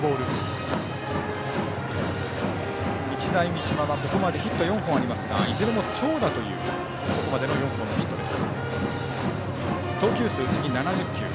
日大三島はここまでヒット４本ありますがいずれも長打というここまでの４本のヒットです。